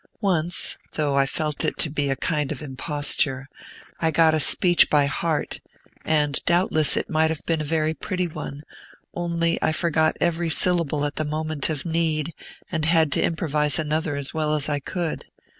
Once, though I felt it to be a kind of imposture, I got a speech by heart, and doubtless it might have been a very pretty one, only I forgot every syllable at the moment of need, and had to improvise another as well as I could.